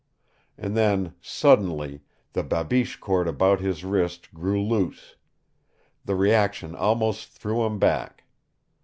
And then, suddenly, the babiche cord about his wrist grew loose. The reaction almost threw him back.